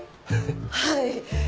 はい。